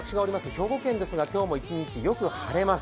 兵庫県ですが今日も一日よく晴れます。